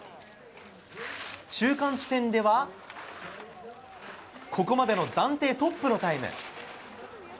中間地点ではここまでの暫定トップのタイム。